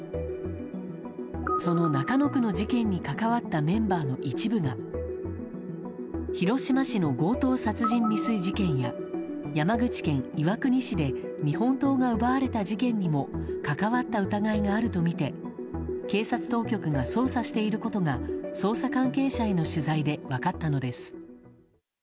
その中野区の事件に関わったメンバーの一部が広島市の強盗殺人未遂事件や山口県岩国市で日本刀が奪われた事件にも関わった疑いがあるとみて警察当局が捜査していることが捜査関係者への取材で分かったのです。